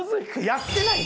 やってない？